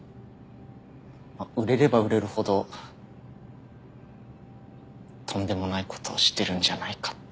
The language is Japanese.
売れれば売れるほどとんでもないことをしてるんじゃないかって。